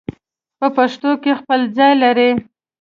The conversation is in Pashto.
په پښتو کې خپل ځای لري